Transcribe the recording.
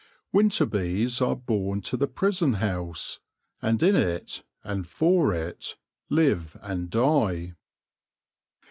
Winter bees are born to the prison house ; and in it, and for it; live and die.